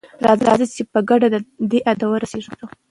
راځئ چې په ګډه دې هدف ته ورسیږو.